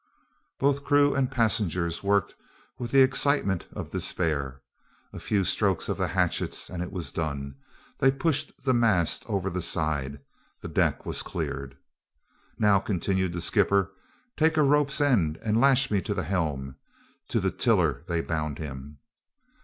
Both crew and passengers worked with the excitement of despair. A few strokes of the hatchets, and it was done. They pushed the mast over the side. The deck was cleared. "Now," continued the skipper, "take a rope's end and lash me to the helm." To the tiller they bound him.